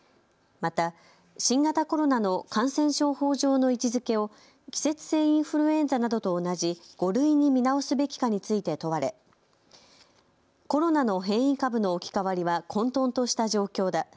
また新型コロナの感染症法上の位置づけを季節性インフルエンザなどと同じ５類に見直すべきかについて問われコロナの変異株の置き換わりは混とんとした状況だ。